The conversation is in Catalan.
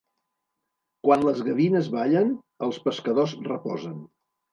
Quan les gavines ballen, els pescadors reposen.